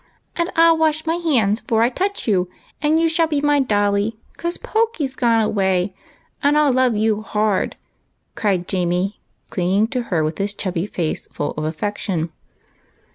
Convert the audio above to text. " And I '11 always wash my hands 'fore I touch you, and you shall be my dolly, 'cause Pokey's gone away, and I '11 love you hard^^ cried Jamie, clinging to her with his chubby face full of affection.